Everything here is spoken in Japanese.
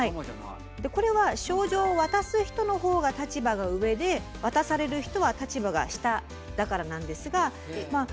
これは賞状を渡す人のほうが立場が上で渡される人は立場が下だからなんですがまあ